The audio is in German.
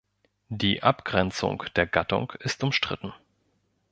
Die Abgrenzung der Gattung ist umstritten.